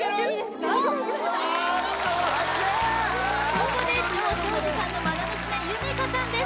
ここで城彰二さんの愛娘夢叶さんです